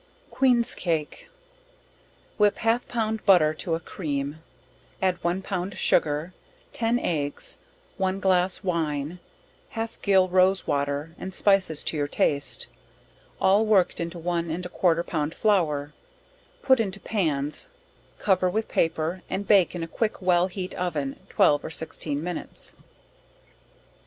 Queens Cake. Whip half pound butter to a cream, add 1 pound sugar, ten eggs, one glass wine, half gill rose water, and spices to your taste, all worked into one and a quarter pound flour, put into pans, cover with paper, and bake in a quick well heat oven, 12 or 16 minutes.